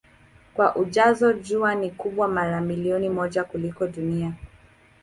Kwa ujazo Jua ni kubwa mara milioni moja kuliko Dunia.